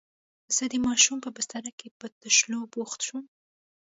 زه د ماشوم په بستره کې په تشولو بوخت شوم.